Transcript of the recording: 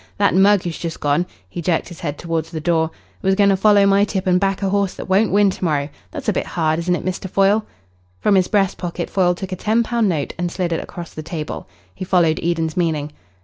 That mug who's just gone" he jerked his head towards the door "was going to follow my tip and back a horse that won't win to morrow. That's a bit hard, isn't it, Mr. Foyle?" From his breast pocket Foyle took a ten pound note and slid it across the table. He followed Eden's meaning.